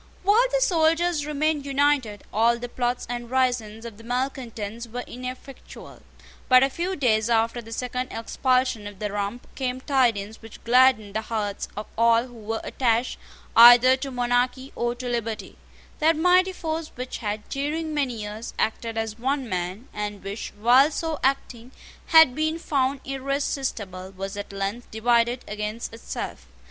While the soldiers remained united, all the plots and risings of the malecontents were ineffectual. But a few days after the second expulsion of the Rump, came tidings which gladdened the hearts of all who were attached either to monarchy or to liberty: That mighty force which had, during many years, acted as one man, and which, while so acting, had been found irresistible, was at length divided against itself.